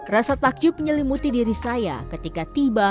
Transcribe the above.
rasa takjub menyelimuti diri saya ketika tiba